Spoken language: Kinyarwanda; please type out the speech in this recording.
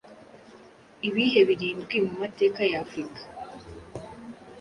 Ibihe birindwi mu mateka ya Afurika